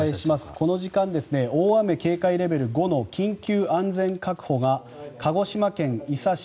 この時間、大雨警戒レベル５の緊急安全確保が鹿児島県伊佐市